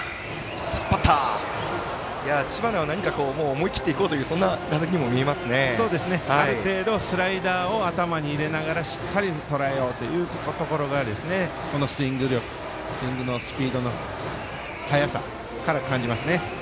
知花は思い切っていこうというある程度、スライダーを頭に入れながらしっかりとらえようというところがこのスイングのスピードの速さから感じますね。